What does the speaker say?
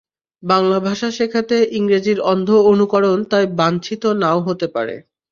বাংলা ভাষা শেখাতে ইংরেজির অন্ধ অনুকরণ তাই বাঞ্ছিত না-ও হতে পারে।